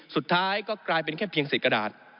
สุดท้ายก็กลายเป็นแค่เพียงเศษกระดาษ